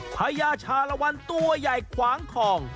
พญาชาละวันตัวใหญ่ขวางคลอง